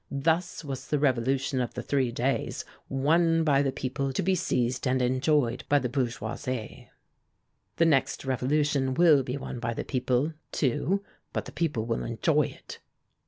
Thus was the Revolution of the Three Days won by the people to be seized and enjoyed by the Bourgeoisie. The next revolution will be won by the people, too, but the people will enjoy it!"